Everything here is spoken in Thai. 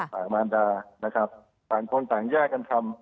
สามานตานะครับสามคนสามแย่กันทำ